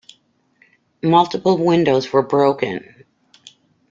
Multiple windows were broken.